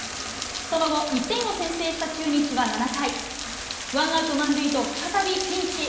その後、１点を先制した中日は７回、ワンアウト満塁と再びピンチ。